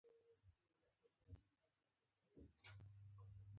د ماشوم دعا قبليږي.